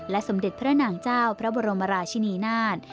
สมเด็จพระนางเจ้าพระบรมราชินีนาฏ